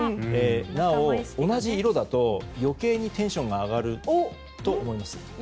なお、同じ色だと余計にテンションが上がると思います。